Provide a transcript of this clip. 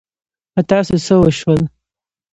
په تاسو څه وشول؟